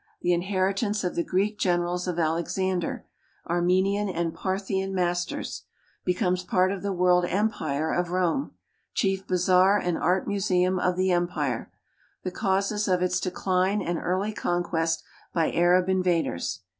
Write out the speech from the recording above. The inheritance of the Greek generals of Alexander. Armenian and Parthian masters. Be comes part of the world empire of Rome. Chief bazaar and art museum of the empire. The causes of its decline and early conquest by Arab invaders.